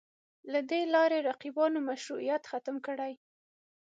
له دې لارې رقیبانو مشروعیت ختم کړي